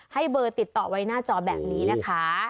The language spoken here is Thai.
ให้เบอร์ติดต่อไว้หน้าจอแบบนี้นะคะ